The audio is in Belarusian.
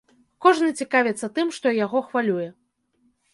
Кожны цікавіцца тым, што яго хвалюе.